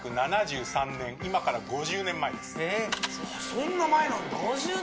そんな前なんだ。